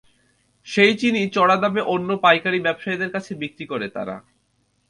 সেই চিনি চড়া দামে অন্য পাইকারি ব্যবসায়ীদের কাছে বিক্রি করে তারা।